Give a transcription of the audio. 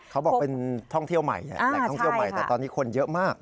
เขาบอกเป็นท่องเที่ยวใหม่แต่ตอนนี้คนเยอะมาก